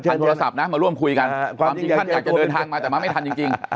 โทรศัพท์นะมาร่วมคุยกันความจริงท่านอยากจะเดินทางมาแต่มาไม่ทันจริง